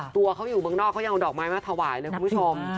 ตัวเขาอยู่เมืองนอกเขายังเอาดอกไม้มาถวายเลยคุณผู้ชม